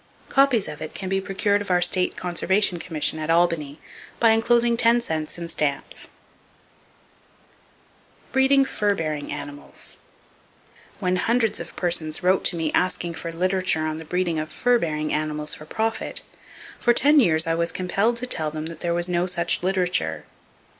Copies of it can be procured of our State Conservation Commission at Albany, by enclosing ten cents in stamps. [Page 374] Breeding Fur Bearing Animals When hundreds of persons wrote to me asking for literature on the breeding of fur bearing animals for profit, for ten years I was compelled to tell them that there was no such literature.